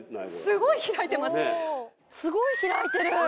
すごい開いてます